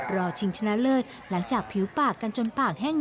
รอชิงชนะเลิศหลังจากผิวปากกันจนปากแห้ง